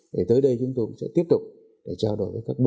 rất nhiều những điều tuyệt vời